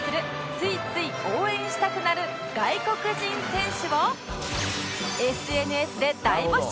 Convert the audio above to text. ついつい応援したくなる外国人選手を ＳＮＳ で大募集！